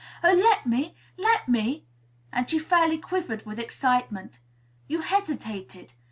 Oh, let me, let me!" and she fairly quivered with excitement. You hesitated.